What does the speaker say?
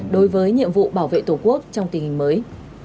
đối với nhiệm vụ bảo vệ tổ quốc trong tình hình mới